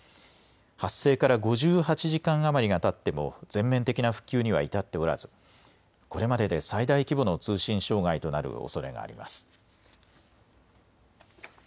発生から５８時間余りがたっても全面的な復旧には至っておらずこれまでで最大規模の通信障害となるおそれがあります。